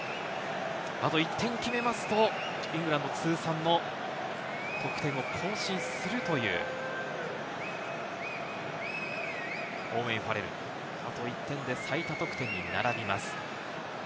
あと１点決めますと、イングランド通算の得点を更新するというオーウェン・ファレル、あと１点で最多得点に並びます。